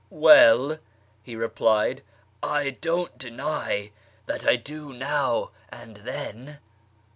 " Well," he replied, " I don't deny that I do now and then."